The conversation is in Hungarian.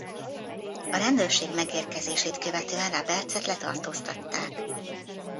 A rendőrség megérkezését követően Robertset letartóztatták.